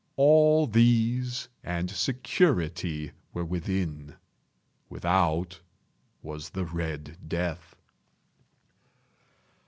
All these and security were within. Without was the "Red Death."